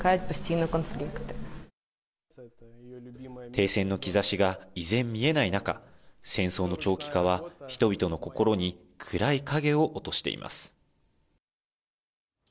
停戦の兆しが依然見えない中、戦争の長期化は人々の心に暗い影を落としています。